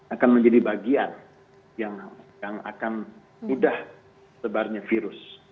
akan menjadi bagian yang akan mudah sebarnya virus